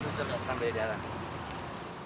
sampai di arah